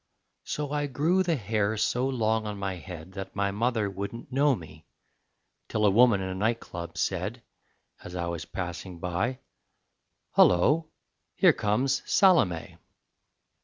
So I grew the hair so long on my head That my mother wouldn't know me, Till a woman in a night club said, As I was passing by, "Hullo, here comes Salome